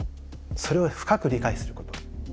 それを深く理解すること。